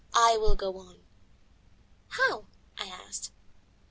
I will go on." "How?" I asked.